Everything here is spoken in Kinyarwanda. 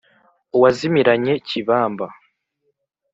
uwazimiranye kibamba